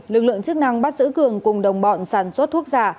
lực lượng chức năng bắt giữ cường cùng đồng bọn sản xuất thuốc giả